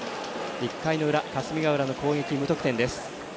１回の裏、霞ヶ浦の攻撃無得点です。